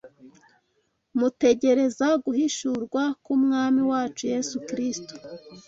mutegereza guhishurwa k’Umwami wacu Yesu Kristo